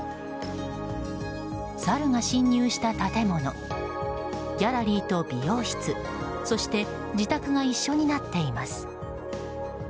サルが侵入した建物ギャラリーと美容室そして自宅が一緒になっています。